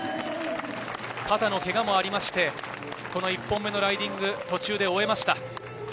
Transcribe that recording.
肩のけがもあって、１本目のライディング、途中で終えました。